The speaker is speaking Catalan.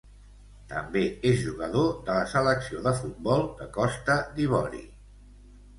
També és jugador de la selecció de futbol de Costa d'Ivori.